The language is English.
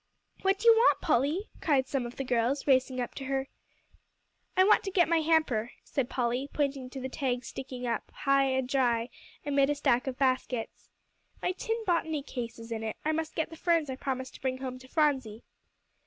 "What do you want, Polly?" cried some of the girls, racing up to her. "I want to get out my hamper," said Polly, pointing to the tag sticking up "high and dry" amid a stack of baskets. "My tin botany case is in it; I must get the ferns I promised to bring home to Phronsie."